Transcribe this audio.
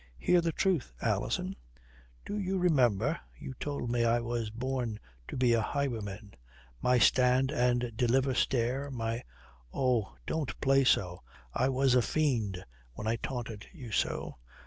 "Hear the truth, Alison. Do you remember you told me I was born to be a highwayman my stand and deliver stare my " "Oh! Don't play so. I was a fiend when I taunted you so."